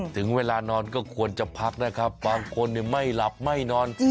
ถึงเวลานอนก็ควรจะพักนะครับบางคนไม่หลับไม่นอน